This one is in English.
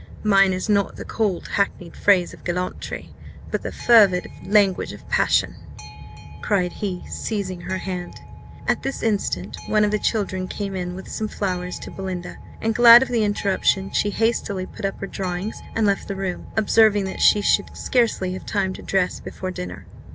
Mine is not the cold, hackneyed phrase of gallantry, but the fervid language of passion," cried he, seizing her hand. At this instant one of the children came in with some flowers to Belinda; and, glad of the interruption, she hastily put up her drawings and left the room, observing that she should scarcely have time to dress before dinner.